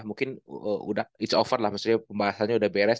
mungkin udah it s over lah maksudnya pembahasannya udah beres